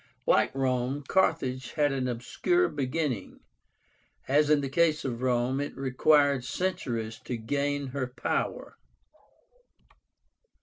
Like Rome, Carthage had an obscure beginning. As in the case of Rome, it required centuries to gain her power.